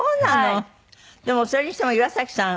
でもそれにしても岩崎さん